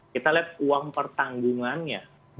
kita lihat uang pertanggungannya